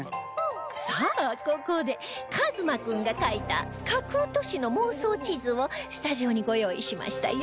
さあここで一翔君が描いた架空都市の妄想地図をスタジオにご用意しましたよ